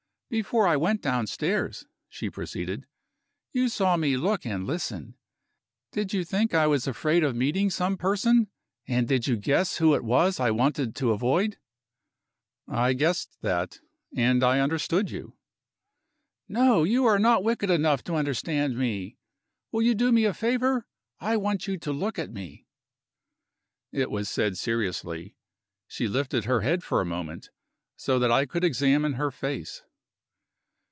"Before I went downstairs," she proceeded, "you saw me look and listen. Did you think I was afraid of meeting some person? and did you guess who it was I wanted to avoid?" "I guessed that and I understood you." "No! You are not wicked enough to understand me. Will you do me a favor? I want you to look at me." It was said seriously. She lifted her head for a moment, so that I could examine her face.